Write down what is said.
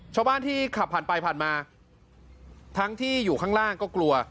ชาวบ้านที่ขับผ่านไปผ่านมาทั้งที่อยู่ข้างล่างก็กลัว